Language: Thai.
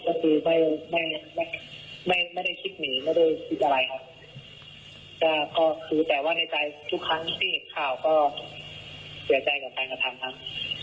ก็คือไม่ไม่ไม่ได้คิดหนีไม่ได้คิดอะไรครับก็ก็คือแต่ว่าในใจทุกครั้งที่เห็นข่าวก็เสียใจกับการกระทำครับ